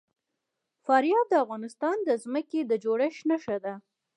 فاریاب د افغانستان د ځمکې د جوړښت نښه ده.